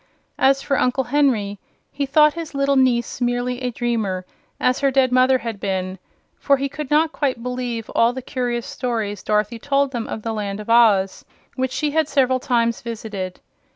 As for Uncle Henry, he thought his little niece merely a dreamer, as her dead mother had been, for he could not quite believe all the curious stories Dorothy told them of the Land of Oz, which she had several times visited.